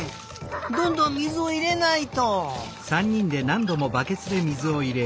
どんどん水をいれないと！